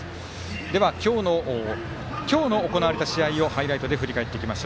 では、今日の行われた試合をハイライトで振り返ります。